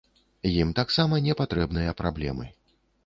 Ім таксама не патрэбныя праблемы.